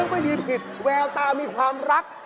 ไม่มีผิดแววตามีความรัก